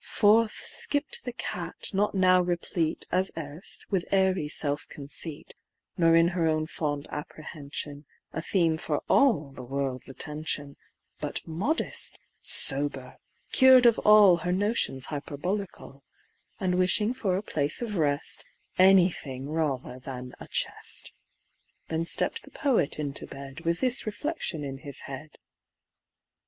Forth skipp'd the cat, not now replete As erst with airy self conceit, Nor in her own fond apprehension A theme for all the world's attention, But modest, sober, cured of all Her notions hyperbolical, And wishing for a place of rest Any thing rather than a chest. Then stepp'd the poet into bed With this reflection in his head: MORAL.